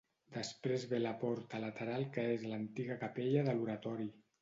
Després ve la porta lateral que és l'antiga capella de l'oratori.